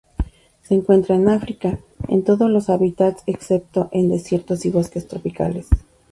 Se encuentra en África, en todos los hábitats excepto en desiertos y bosques tropicales.